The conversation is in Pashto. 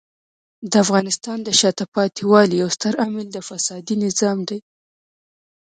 د افغانستان د شاته پاتې والي یو ستر عامل د فسادي نظام دی.